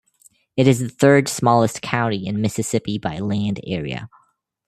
It is the third-smallest county in Mississippi by land area.